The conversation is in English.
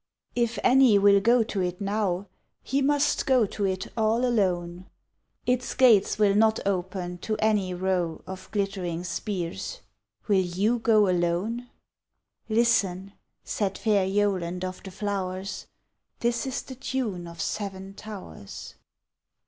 _ If any will go to it now, He must go to it all alone, Its gates will not open to any row Of glittering spears: will you go alone? _Listen! said fair Yoland of the flowers, This is the tune of Seven Towers.